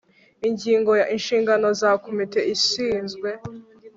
ingingo ya inshingano za komite ishinzwe